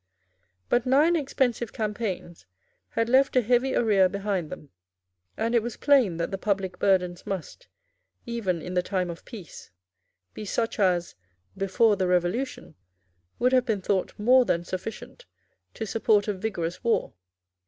But nine expensive campaigns had left a heavy arrear behind them; and it was plain that the public burdens must, even in the time of peace, be such as, before the Revolution, would have been thought more than sufficient to support a vigorous war.